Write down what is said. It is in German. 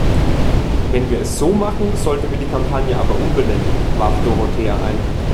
Wenn wir es so machen, sollten wir die Kampagne aber umbenennen, warf Dorothea ein.